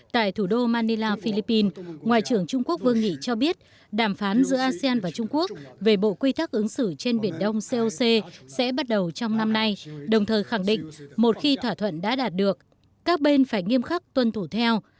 tại thủ đô manila philippines ngoại trưởng trung quốc vương nghị cho biết đàm phán giữa asean và trung quốc về bộ quy tắc ứng xử trên biển đông coc sẽ bắt đầu trong năm nay đồng thời khẳng định một khi thỏa thuận đã đạt được các bên phải nghiêm khắc tuân thủ theo